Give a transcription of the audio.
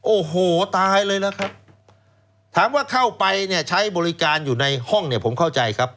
โอ้โหตายเลยล่ะครับถามว่าเข้าไปเนี่ยใช้บริการอยู่ในห้องเนี่ยผมเข้าใจครับ